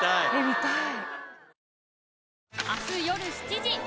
見たい。